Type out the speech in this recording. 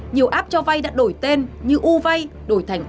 nhiều app cho vay đã đổi tên như uvay đổi thành